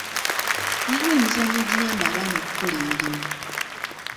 Waliwo emizannyo egiyamba abaana okukola emirimu.